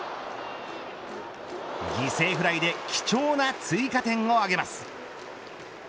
犠牲フライで貴重な追加点を挙げます。